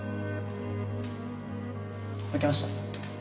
負けました。